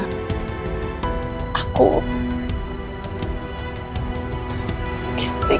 kamu harus bisa terima